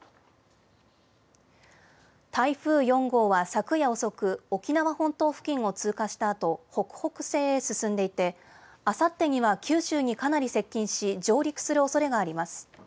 台風４号は昨夜遅く、沖縄本島付近を通過したあと、北北西へ進んでいて、あさってには九州にかなり接近し、上陸するおそれがあります。